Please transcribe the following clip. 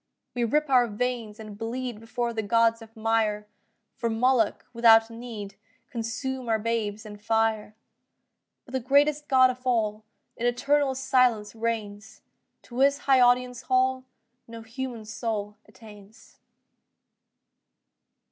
We rip our veins and bleed Before the gods of mire; For Moloch, without need, Consume our babes in fire; But the greatest God of all In eternal silence reigns; To His high audience hall No human soul attains.